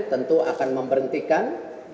tentu akan memberhentikan